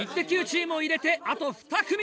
チームを入れてあと２組。